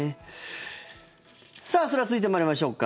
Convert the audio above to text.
それでは続いて参りましょうか。